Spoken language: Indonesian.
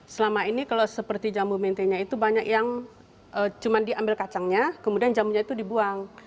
selama ini kalau seperti jambu mentenya itu banyak yang cuma diambil kacangnya kemudian jamunya itu dibuang